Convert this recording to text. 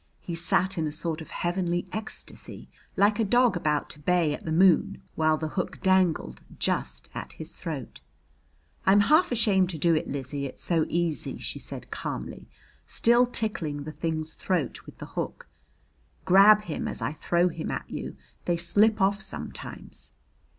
He sat in a sort of heavenly ecstasy, like a dog about to bay at the moon, while the hook dangled just at his throat. "I'm half ashamed to do it, Lizzie, it's so easy," she said calmly, still tickling the thing's throat with the hook. "Grab him as I throw him at you. They slip off sometimes."